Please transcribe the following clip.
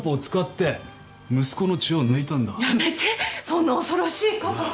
そんな恐ろしいこと。